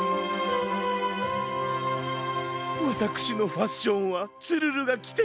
わたくしのファッションはツルルがきてこそかがやくの。